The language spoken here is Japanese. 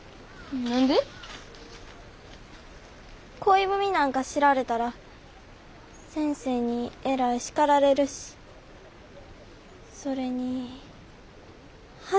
恋文なんか知られたら先生にえらい叱られるしそれにはしたない思われるわ。